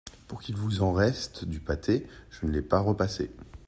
Pour qu’il vous en reste, du pâté, je ne l’ai pas repassé !